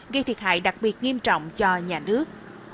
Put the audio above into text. gây thiệt hại đặc biệt nghiêm trọng cho nhà nước